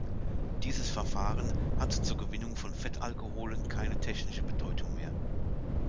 Dieses Verfahren hat zur Gewinnung von Fettalkoholen keine technische Bedeutung mehr.